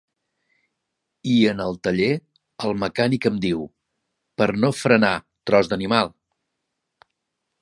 I en el taller, el mecànic em diu: per no frenar, tros d'animal!